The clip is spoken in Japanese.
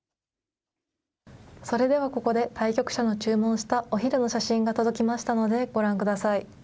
それではここで対局者の注文したお昼の写真が届きましたので、ご覧ください。